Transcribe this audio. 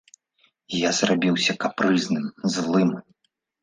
Я зрабіўся капрызным, злым.